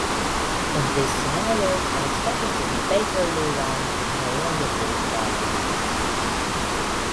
In this scenario, an extension to the Bakerloo line would no longer be required.